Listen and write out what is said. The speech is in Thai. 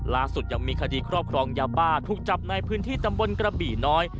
ล่าสุดยังมีคดีครอบครองยาบ้าถูกจับในพื้นที่ตำบลกระบี่น้อย